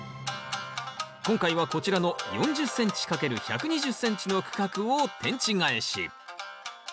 今回はこちらの４０ｃｍ×１２０ｃｍの区画を天地返し。